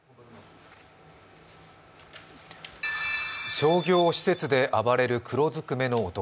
商業施設で暴れる黒ずくめの男